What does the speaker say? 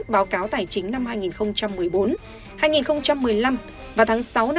báo cáo tài chính